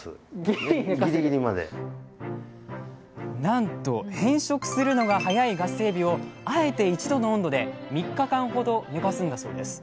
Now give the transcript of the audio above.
なんと変色するのが早いガスエビをあえて１度の温度で３日間ほど寝かすんだそうです